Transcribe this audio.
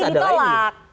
sakit hati ditolak